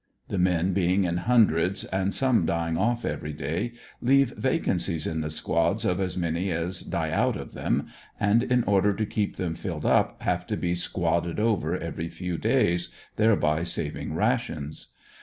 The men being in hundreds and some dying off every day, leave vacancies in the squads of as many as die out cf them, and in order to keep them filled up have to be squadded over every few days, thereby saving rations.